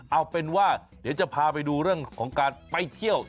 เอาเป็นว่าเดี๋ยวจะพาไปดูเรื่องของการไปเที่ยว